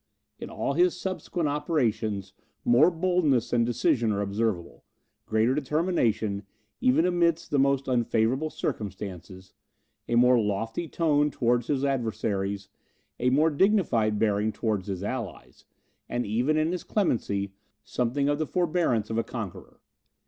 In all his subsequent operations more boldness and decision are observable; greater determination, even amidst the most unfavourable circumstances, a more lofty tone towards his adversaries, a more dignified bearing towards his allies, and even in his clemency, something of the forbearance of a conqueror.